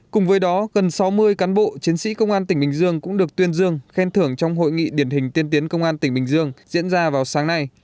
cùng với đó gần sáu mươi cán bộ chiến sĩ công an tỉnh bình dương cũng được tuyên dương khen thưởng trong hội nghị điển hình tiên tiến công an tỉnh bình dương diễn ra vào sáng nay